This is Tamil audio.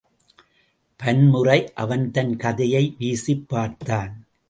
பன்முறை அவன் தன் கதையை வீசிப் பார்த்தான்.